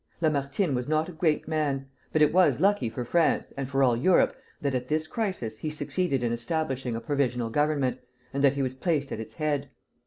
Lamartine was not a great man, but it was lucky for France, and for all Europe, that at this crisis he succeeded in establishing a provisional government, and that he was placed at its head.